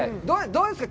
どうですか。